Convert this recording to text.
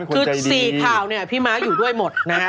คือ๔ข่าวเนี่ยพี่ม้าอยู่ด้วยหมดนะฮะ